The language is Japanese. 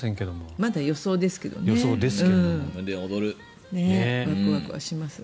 まだ予想ですけどね。